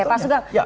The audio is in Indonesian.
oke pak sugeng